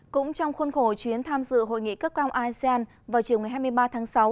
cũng trong khuôn khổ chuyến tham dự hội nghị cấp cao asean vào chiều ngày hai mươi ba tháng sáu